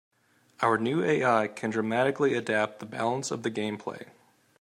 Our new AI can dynamically adapt the balance of the gameplay.